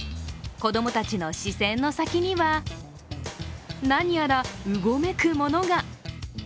子供たちの視線の先には、何やらうごめくものが。